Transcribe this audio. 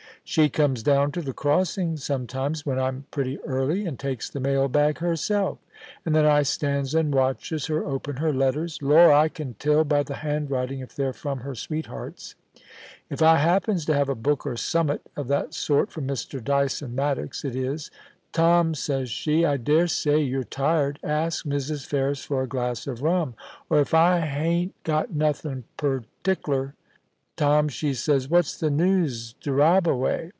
* She comes down to the crossing sometimes when I'm pretty early, and takes the mail bag herself, and then I stands and watches her open her letters. Lor* 1 I can tell by the handwriting if they're fi'om her sweethearts. If I happens to have a book or summat of the sort from Mr. Dyson Maddox, it is, " Tom," says she, " I dare say you're tired. Ask Mrs. Ferris for a glass of rum ;" or if I hain't * YOU MUST MARRY HONORIA LONGLEAT: 53 got nothing pertikler, "Tom," she says, "what's the news Dyraaba way?"